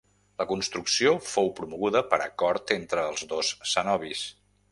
La construcció fou promoguda per acord entre els dos cenobis.